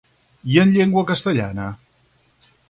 I en llengua castellana?